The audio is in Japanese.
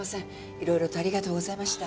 いろいろとありがとうございました。